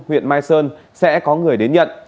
huyện mai sơn sẽ có người đến nhận